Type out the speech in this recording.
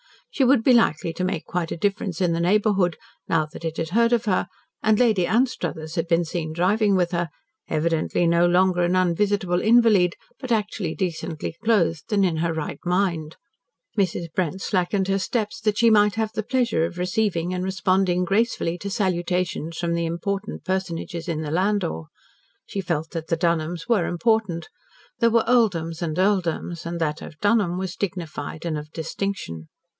She would be likely to make quite a difference in the neighbourhood now that it had heard of her and Lady Anstruthers had been seen driving with her, evidently no longer an unvisitable invalid, but actually decently clothed and in her right mind. Mrs. Brent slackened her steps that she might have the pleasure of receiving and responding gracefully to salutations from the important personages in the landau. She felt that the Dunholms were important. There were earldoms AND earldoms, and that of Dunholm was dignified and of distinction.